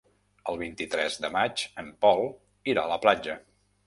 El vint-i-tres de maig en Pol irà a la platja.